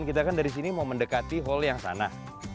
kita kan dari sini mau mendekati hall yang sana